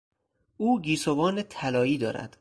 او گیسوان طلایی دارد.